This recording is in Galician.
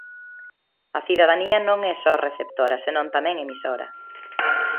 A cidadanía non é só receptora senón tamén emisora.